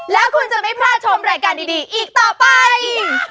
แล้วคุณจะไม่พลาดชมรายการดีอีกต่อไป